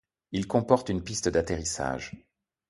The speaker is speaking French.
Il comporte une piste d'atterrissage.